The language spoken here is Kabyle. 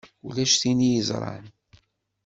Ulac tin i yeẓṛan.